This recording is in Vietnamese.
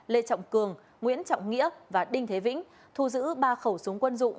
lê trọng cường nguyễn trọng nghĩa và đinh thế vĩnh thu giữ ba khẩu súng quân dụng